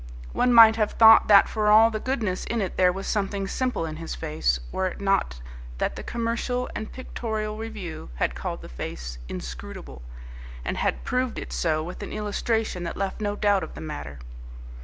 One might have thought that for all the goodness in it there was something simple in his face, were it not that the Commercial and Pictorial Review had called the face "inscrutable," and had proved it so with an illustration that left no doubt of the matter.